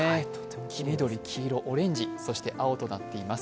黄緑、黄色、オレンジ、そして青となっています。